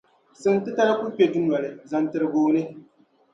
Siŋ’ titali ku kpe dunoli zaŋ tiri gooni.